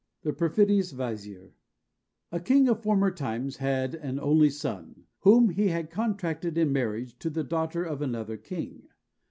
THE PERFIDIOUS VIZIER. A king of former times had an only son, whom he contracted in marriage to the daughter of another king.